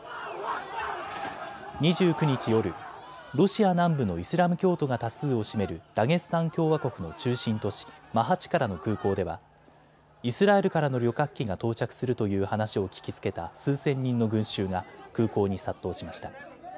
２９日夜、ロシア南部のイスラム教徒が多数を占めるダゲスタン共和国の中心都市、マハチカラの空港ではイスラエルからの旅客機が到着するという話を聞きつけた数千人の群衆が空港に殺到しました。